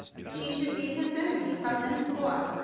She should be his enemy from henceforth.